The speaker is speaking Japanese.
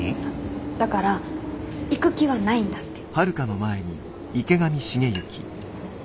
だから行く気はないんだって。